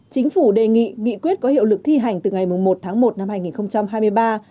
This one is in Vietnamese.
chính phủ đề nghị nghị quyết có hiệu lực thi hành từ ngày một tháng một năm hai nghìn hai mươi ba